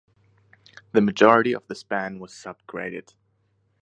The majority of the span was sub-graded.